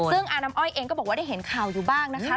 ซึ่งอาน้ำอ้อยเองก็บอกว่าได้เห็นข่าวอยู่บ้างนะคะ